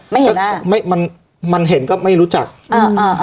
ไม่เห็นไม่มันมันเห็นก็ไม่รู้จักอ่าอ่า